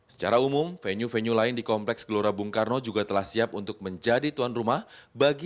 secara umum venue venue lain di kompleks gelora bung karno juga telah siap untuk mencari toilet yang berbeda